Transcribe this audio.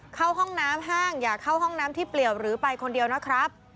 เข้าห้องน้ำห้างอย่าเข้าห้องน้ำที่เปลี่ยวหรือไปคนเดียวนะครับ